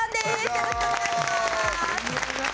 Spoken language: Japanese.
よろしくお願いします。